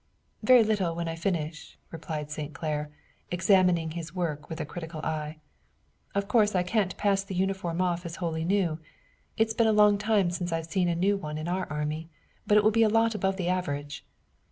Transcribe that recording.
"Very little when I finish," replied St. Clair, examining his work with a critical eye. "Of course I can't pass the uniform off as wholly new. It's been a long time since I've seen a new one in our army, but it will be a lot above the average."